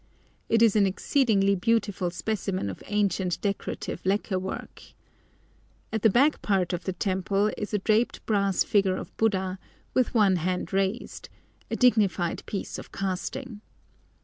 It is an exceedingly beautiful specimen of ancient decorative lacquer work. At the back part of the temple is a draped brass figure of Buddha, with one hand raised—a dignified piece of casting.